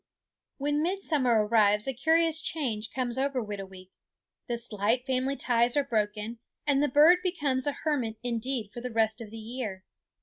When midsummer arrives a curious change comes over Whitooweek; the slight family ties are broken, and the bird becomes a hermit indeed for the rest of the year.